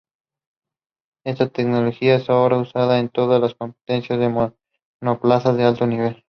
Esta tecnología es ahora usada en todas las competencias de monoplazas de alto nivel.